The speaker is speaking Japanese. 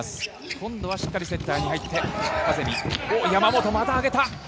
今度はしっかりセンターに入ってカゼミ、山本また上げた。